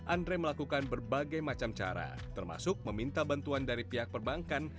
andre melakukan berbagai macam cara termasuk meminta bantuan dari pihak perbankan